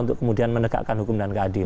untuk kemudian menegakkan hukum dan keadilan